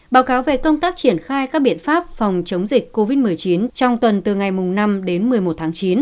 báo cáo về công tác triển khai các biện pháp phòng chống dịch covid một mươi chín trong tuần từ ngày năm đến một mươi một tháng chín